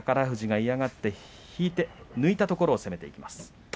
富士が嫌がって引いて浮いたところを攻めていきます。